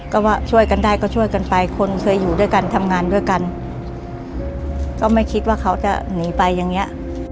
ก็ว่าช่วยกันได้ก็ช่วยกันไปคนเคยอยู่ด้วยกันทำงานด้วยกันก็ไม่คิดว่าเขาจะหนีไปอย่างเงี้ย